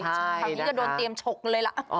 ตอนนี้ก็โดนเตรียมชกเลยล่ะ